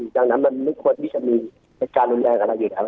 อย่างนั้นอย่างนั้นควรที่จะมีการแนวแรงอ่ะนะอย่างนี้แหละ